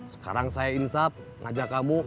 sekarang saya insap ngajak kamu